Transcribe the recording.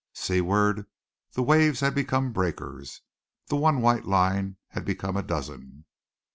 Seaward, the waves had become breakers. The one white line had become a dozen.